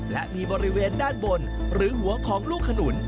และมีบริเวณด้านบนหรือหัวของลูกขนุน